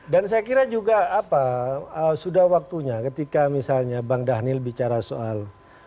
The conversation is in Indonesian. dan saya kira juga sudah waktunya ketika misalnya bang dhanil bicara soal dua ribu dua puluh empat